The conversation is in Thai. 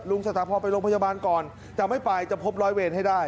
สถาพรไปโรงพยาบาลก่อนจะไม่ไปจะพบร้อยเวรให้ได้